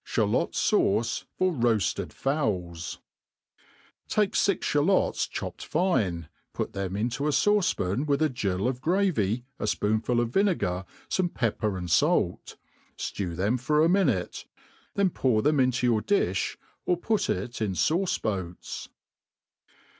Shalot'fauce for roajled Fowls* XAKE fix ihalots chopped fine, put them into a fauce pan With a gill of gravy, a fpoonful of vinegar, fome pepper and fait, ftew them for a minute ; then pour them into your difli, ^r put ic in fauce boats.